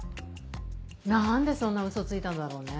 なんでそんなウソついたんだろうね？